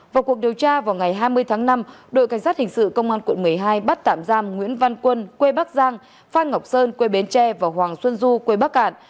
vào cuộc điều tra vào ngày hai mươi tháng năm đội cảnh sát hình sự công an quận một mươi hai bắt tạm giam nguyễn văn quân quê bắc giang phan ngọc sơn quê bến tre và hoàng xuân du quê bắc cạn